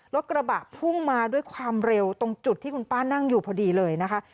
รถกระบะพุ่งมาด้วยความเร็วตรงจุดที่คุณป้านั่งอยู่พอดีเลยนะคะ